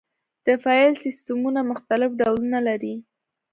د فایل سیستمونه مختلف ډولونه لري.